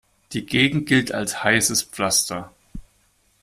Die Gegend gilt als heißes Pflaster.